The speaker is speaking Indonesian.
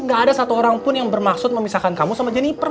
gak ada satu orang pun yang bermaksud memisahkan kamu sama jenniper